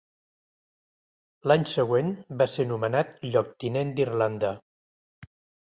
L'any següent va ser nomenat lloctinent d'Irlanda.